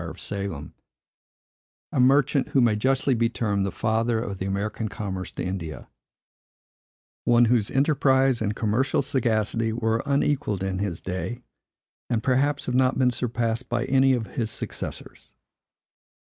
of Salem; a merchant, who may justly be termed the father of the American commerce to India; one whose enterprise and commercial sagacity were unequalled in his day, and, perhaps, have not been surpassed by any of his successors.